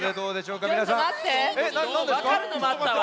わかるのもあったわ。